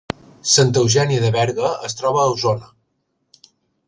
Santa Eugènia de Berga es troba a Osona